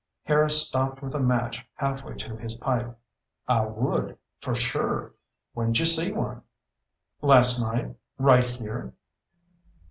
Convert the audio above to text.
Harris stopped with a match halfway to his pipe. "I would. For sure. When'd you see one?" "Last night. Right here."